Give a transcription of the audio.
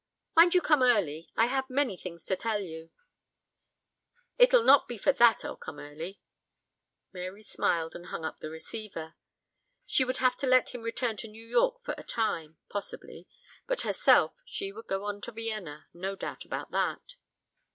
"Mind you come early. I have many things to tell you." "It'll not be for that I'll come early." Mary smiled and hung up the receiver. She would have to let him return to New York for a time possibly. But herself, she would go on to Vienna. No doubt about that.